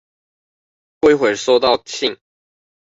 過一會兒收到信